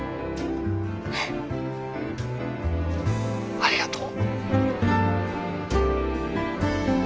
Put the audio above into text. ありがとう。